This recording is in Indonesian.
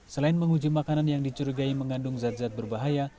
selain menguji makanan yang dicurigai mengandung zat zat berbahaya